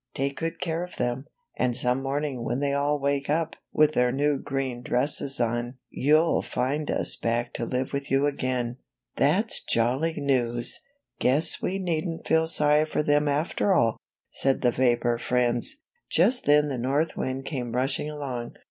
Take good care of them, and some morning when they all wake up with their new green dresses on youT find us back to live with you again.' " ^^That's jolly news! Guess we needn't feel sorry for them after all," said the vapor friends. Just then the North Wind came rushing along.